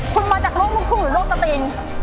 คุณมาจากโลกมุงภูหรือโลกสตริง